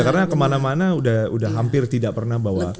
karena kemana mana udah hampir tidak pernah bawa uang tunai